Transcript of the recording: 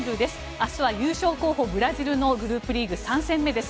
明日は優勝候補のブラジルのグループリーグ３戦目です。